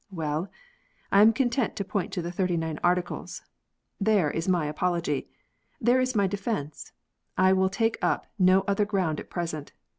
Well ! I am content to point to the Thirty nine Articles. There is my apology ! There is my defence ! I will take up no other ground at present.